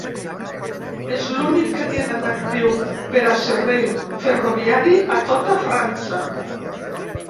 És l'únic que queda en actiu per a servei ferroviari a tota França.